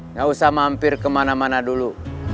nggak usah mampir kemana mana dulu